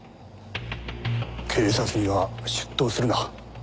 警察には出頭するな。